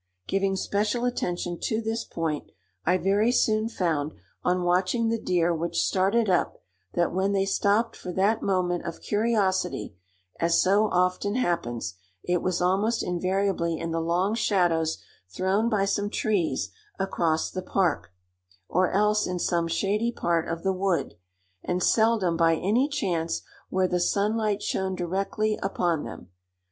Giving special attention to this point, I very soon found, on watching the deer which started up, that when they stopped for that moment of curiosity, as so often happens, it was almost invariably in the long shadows thrown by some trees across the park, or else in some shady part of the wood, and seldom by any chance where the sunlight shone directly upon them.